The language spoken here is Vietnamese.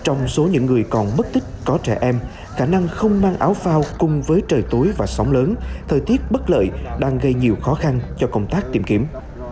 trong số những người còn mất tích có trẻ em khả năng không mang áo phao cùng với trời tối và sóng lớn thời tiết bất lợi đang gây nhiều khó khăn cho công tác tìm kiếm